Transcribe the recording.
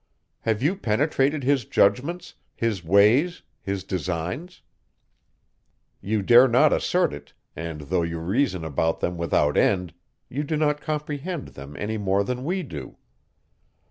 Have you penetrated his judgments, his ways, his designs? You dare not assert it, and though you reason about them without end, you do not comprehend them any more than we do.